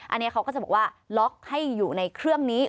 อันนี้เขาก็จะบอกว่าล็อกให้อยู่ในเครื่องนี้